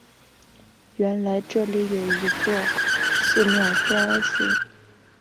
原来这里有一座寺庙天安寺。